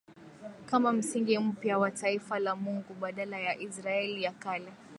kama msingi mpya wa taifa la Mungu badala ya Israeli ya kale